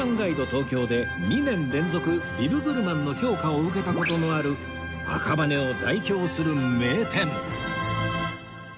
東京で２年連続ビブグルマンの評価を受けた事のある赤羽を代表する名店